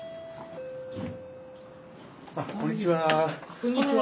あこんにちは。